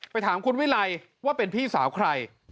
ถามคุณวิไลว่าเป็นพี่สาวใคร